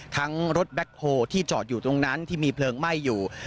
รถแบ็คโฮที่จอดอยู่ตรงนั้นที่มีเพลิงไหม้อยู่